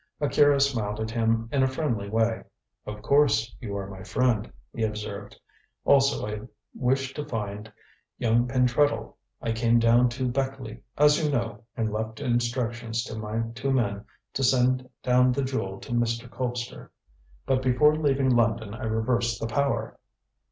Akira smiled at him in a friendly way. "Of course, you are my friend," he observed. "Also, I wished to find young Pentreddle. I came down to Beckleigh, as you know, and left instructions to my two men to send down the Jewel to Mr. Colpster. But before leaving London I reversed the power."